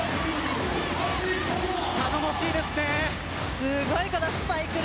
頼もしいですね。